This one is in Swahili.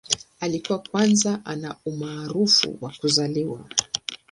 Alikuwa kwanza ana umaarufu wa kuzaliwa.